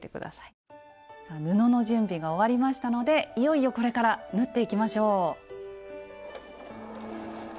布の準備が終わりましたのでいよいよこれから縫っていきましょう。